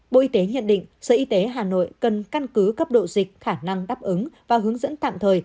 bộ y tế nhận định sở y tế hà nội cần căn cứ cấp độ dịch khả năng đáp ứng và hướng dẫn tạm thời